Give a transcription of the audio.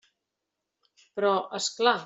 Però... és clar!